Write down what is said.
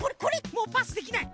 もうパスできない。